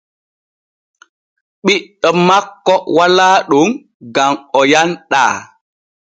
Ɓiɗɗo makko walaa ɗon gam o yanɗaa.